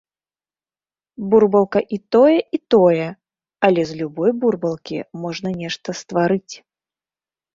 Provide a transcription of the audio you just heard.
Бурбалка і тое, і тое, але з любой бурбалкі можна нешта стварыць.